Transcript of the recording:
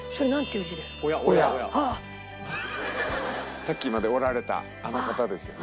さっきまでおられたあの方ですよね。